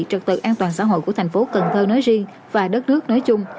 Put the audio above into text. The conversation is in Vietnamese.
trực tự an toàn xã hội của thành phố cần thơ nói riêng và đất nước nói chung